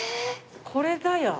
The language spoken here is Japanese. これだや。